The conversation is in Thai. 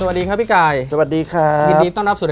แมทโอปอล์แมทโอปอล์